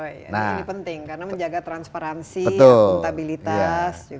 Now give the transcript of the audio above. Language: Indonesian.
ini penting karena menjaga transparansi akuntabilitas